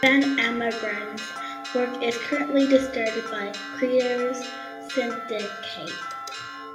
Van Amerongen's work is currently distributed by Creators Syndicate.